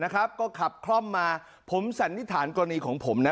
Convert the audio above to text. ก็ขับคล่อมมาผมสันนิษฐานกรณีของผมนะ